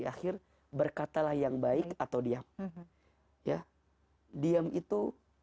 bahan kacau mata pahawansya p licensesira